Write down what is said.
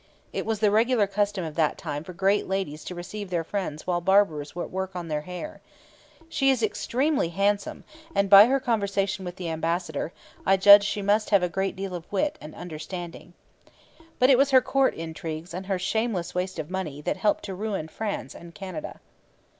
It was the regular custom of that time for great ladies to receive their friends while the barbers were at work on their hair. 'She is extremely handsome and, by her conversation with the ambassador, I judge she must have a great deal of wit and understanding.' But it was her court intrigues and her shameless waste of money that helped to ruin France and Canada.